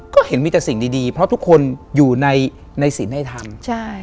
ก็เห็นมีแต่สิ่งดีเพราะทุกคนอยู่ในศิลป์ให้ทำ